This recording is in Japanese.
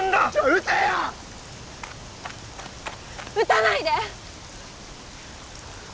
撃たないで！